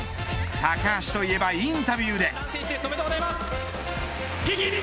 高橋といえばインタビューで。